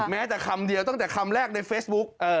แม้แต่คำเดียวตั้งแต่คำแรกในเฟซบุ๊ก